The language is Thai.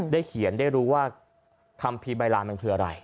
เขียนได้รู้ว่าคัมภีร์ใบลานมันคืออะไร